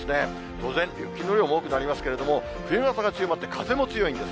当然、雪の量も多くなりますけれども、冬型が強まって、風も強いんです。